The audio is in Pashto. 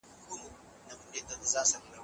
خپل کالي تل په پاکه توګه اوتو کړئ.